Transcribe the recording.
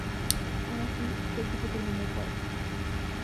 Aun así, su equipo terminó cuarto.